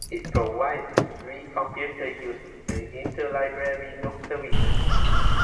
It provides free computer use and interlibrary loan services.